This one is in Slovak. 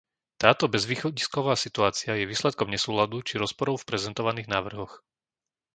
Táto bezvýchodisková situácia je výsledkom nesúladu či rozporov v prezentovaných návrhoch.